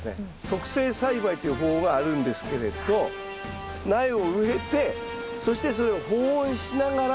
促成栽培という方法があるんですけれど苗を植えてそしてそれを保温しながらですね